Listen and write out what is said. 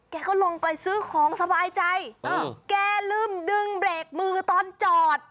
แกก็ลงไปซื้อของสบายใจแกลืมดึงเบรกมือตอนจอด